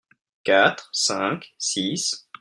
Quatre, Cinq, Six.